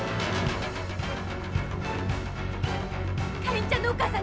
かりんちゃんのお母さん